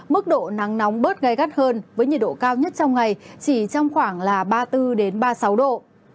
mức độ nắng nóng bớt gai gắt hơn với nhiệt độ cao nhất trong ngày chỉ trong khoảng ba mươi bốn ba mươi sáu độ